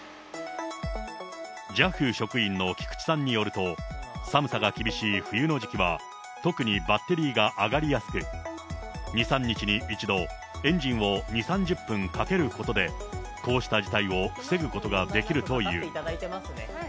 ＪＡＦ職員の菊池さんによると、寒さが厳しい冬の時期は、特にバッテリーが上がりやすく、２、３日に一度、エンジンを２、３０分かけることで、こうした事態を防ぐことができるという。